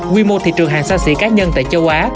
quy mô thị trường hàng xa xỉ cá nhân tại châu á